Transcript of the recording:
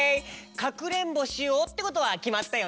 かくれんぼしようってことはきまったよね。